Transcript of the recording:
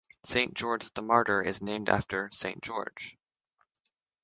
Saint George the Martyr is named after Saint George.